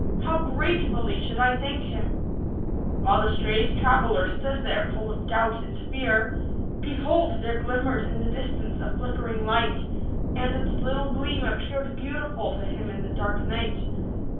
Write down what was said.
how gratefully should 1 thank him I" While the strayed traveller stood there full of doubt and fear, behold there glimmered in the distance a flickering light; and its little gleam appeared beautiful to him in the dark night.